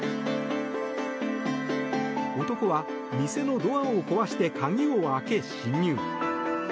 男は店のドアを壊して鍵を開け侵入。